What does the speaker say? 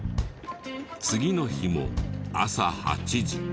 次の日も朝８時。